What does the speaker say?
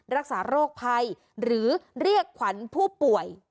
รักษาโรคภัยหรือเรียกขวัญผู้ป่วย